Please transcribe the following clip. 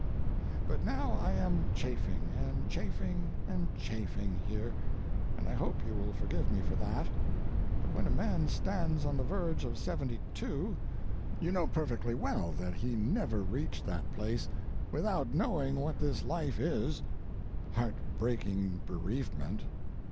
But now I am chaffing and chaffing and chaffing here, and I hope you will forgive me for that; but when a man stands on the verge of seventy two you know perfectly well that he never reached that place without knowing what this life is—heart breaking bereavement.